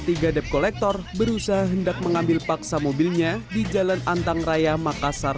tiga dep kolektor berusaha hendak mengambil paksa mobilnya di jalan antang raya makassar